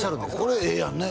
これええやんね